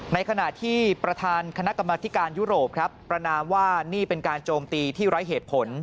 ในขณะที่ประธานคณะกรรมธิการยุโรปครับประนามว่านี่เป็นการโจมตีที่ไร้เหตุผล